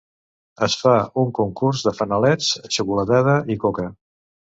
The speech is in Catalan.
Es fa un concurs de fanalets, xocolatada i coca.